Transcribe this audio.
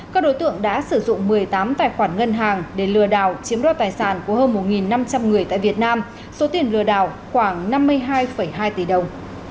các đối tượng đã sử dụng một mươi tám tài khoản ngân hàng để lừa đảo chiếm đoạt tài sản của hơn một năm trăm linh người tại việt nam số tiền lừa đảo khoảng năm mươi hai hai tỷ đồng